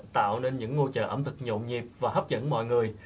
tạo nên những ngôi chợ ẩm thực nhộn nhịp và hấp dẫn mọi người